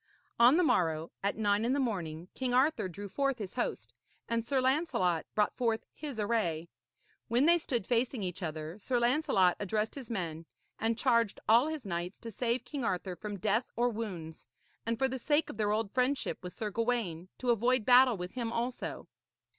On the morrow, at nine in the morning, King Arthur drew forth his host, and Sir Lancelot brought forth his array. When they stood facing each other, Sir Lancelot addressed his men and charged all his knights to save King Arthur from death or wounds, and for the sake of their old friendship with Sir Gawaine, to avoid battle with him also.